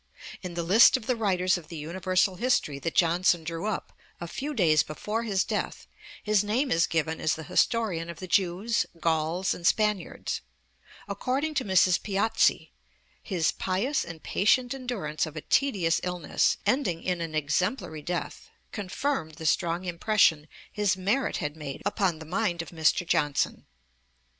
In the list of the writers of the Universal History that Johnson drew up a few days before his death his name is given as the historian of the Jews, Gauls, and Spaniards (post, November, 1784). According to Mrs. Piozzi (Anecdotes, p. 175): 'His pious and patient endurance of a tedious illness, ending in an exemplary death, confirmed the strong impression his merit had made upon the mind of Mr. Johnson.